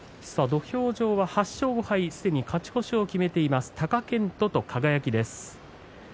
土俵上は８勝５敗すでに勝ち越しを決めている貴健斗と輝です。